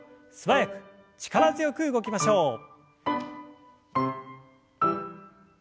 素早く力強く動きましょう。